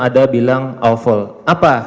ada bilang awful apa